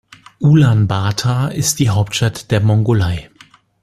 Ulaanbaatar ist die Hauptstadt von Mongolei.